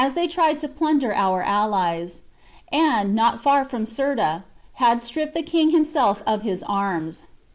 they tried to plunder our allies ; and, not far from Cirta, had stripped the king himself of his arms.